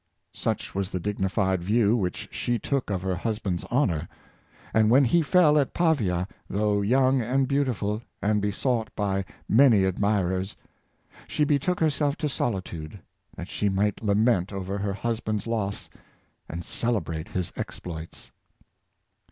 Such was the dignified view which she took of her hus band's honor; and when he fell at Pavia, though young and beautiful, and besought by many admirers, she betook herself to solitude, that she might lament over her husband's loss and celebrate his exploits.